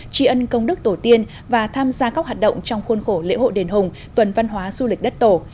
tri ân công đức tổ tiên và tham gia các hoạt động trong khuôn khổ lễ hội đền hùng tuần văn hóa du lịch đất tổ